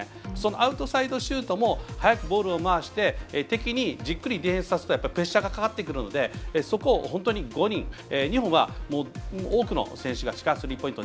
アウトサイドシュートも速くボールを回して敵にじっくりディフェンスさせるとプレッシャーがかかってくるのでそこに５人、日本は多くの選手がスリーポイント